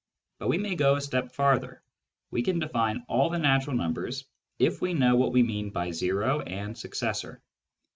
But we may go a step farther : we can define all the natural numbers if we know what we mean by " o " and " successor."